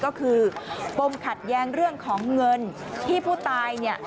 ก็คือปมขัดแย้งเรื่องของเงินที่ผู้ตายเนี่ย